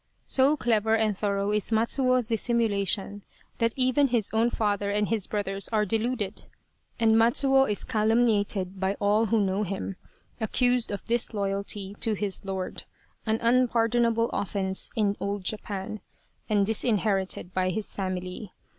So clever and thorough is Matsuo's dissimulation that even his own father and his brothers are deluded, and Matsuo is calumniated by all who know him, accused of disloyalty to his lord (an unpardonable offence in old Japan) and disinherited by his family.